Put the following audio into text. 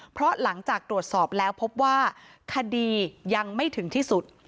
เพราะหลังจากตรวจสอบแล้วพบว่าคดียังไม่ถึงที่สุด